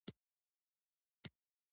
چرګان د زراعتي ځمکو لپاره ګټور دي.